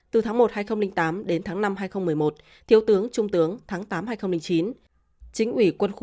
từ tháng một hai nghìn tám đến tháng năm hai nghìn một mươi một thiếu tướng trung tướng tháng tám hai nghìn chín chính ủy quân khu năm